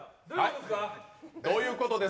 どういうことです。